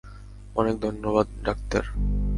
অনেক ধন্যবাদ, ডাক্তার।